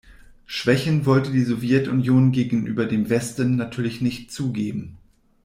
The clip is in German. Schwächen wollte die Sowjetunion gegenüber dem Westen natürlich nicht zugeben.